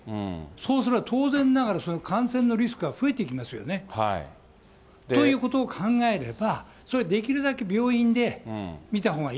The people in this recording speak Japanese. そうすれば、当然ながら感染のリスクは増えていきますよね。ということを考えれば、それはできるだけ病院で診たほうがいい。